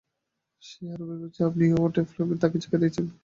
সে আরো ভেবেছে আপনি এডওয়ার্ড অ্যাপলবির জন্য তাকে ছ্যাকা দিয়েছেন।